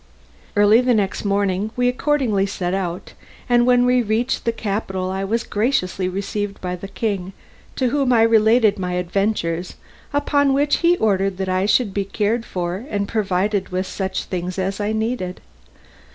Early the next morning we accordingly set out, and when we reached the capital I was graciously received by the king, to whom I related my adventures, upon which he ordered that I should be well cared for and provided with such things as I needed.